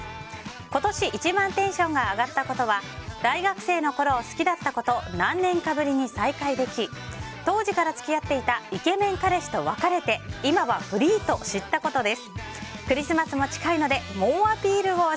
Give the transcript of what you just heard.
今年一番テンションが上がったことは大学生のころ好きだった子と何年かぶりに再会でき当時から付き合っていたイケメン彼氏と別れて今はフリーと知ったことです。